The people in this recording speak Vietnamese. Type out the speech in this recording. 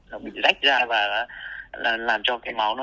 nó bị rách ra và làm cho cái máu nó